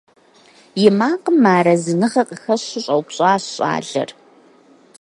И макъым мыарэзыныгъэ къыхэщу щӀэупщӀащ щӀалэр.